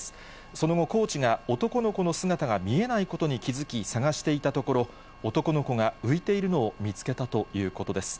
その後、コーチが男の子の姿が見えないことに気付き、捜していたところ、男の子が浮いているのを見つけたということです。